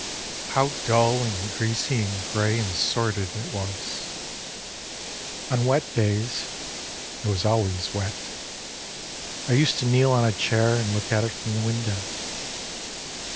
How dull and greasy and grey and sordid it was! On wet days it was always wet I used to kneel on a chair And look at it from the window.